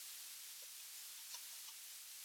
شریعت یار او بریالي هلمند یې زیات یادول.